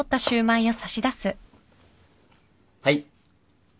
はい。